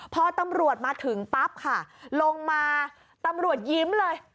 พอตำรวจมาถึงปั๊บค่ะลงมาตำรวจยิ้มเลย